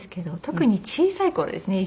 特に小さい頃ですね。